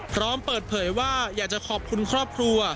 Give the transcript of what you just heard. พร้อมเปิดเผยว่าอยากจะขอบคุณครอบครัว